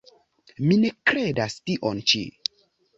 Mi ne kredas tion ĉi.